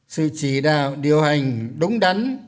sự chỉ đạo điều hành đúng đắn